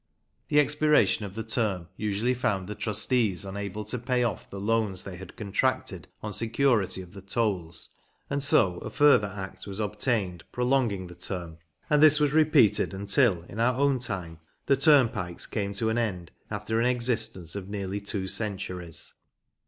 The expiration of the term usually found the trustees unable to pay off the loans they had contracted on security of the tolls, and so a further Act was obtained prolonging the term, and this was repeated until, in our own time, the turnpikes came to an end after an existence of nearly two centuries.